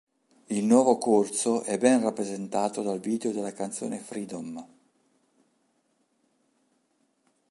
Il nuovo corso è ben rappresentato dal video della canzone Freedom!